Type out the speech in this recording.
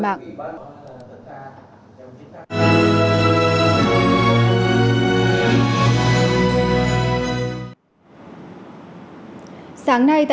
sáng nay tại hà nội công an tỉnh sơn la đã ghi nhận